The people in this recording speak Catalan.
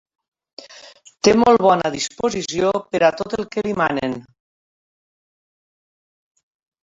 Té molt bona disposició per a tot el que li manen.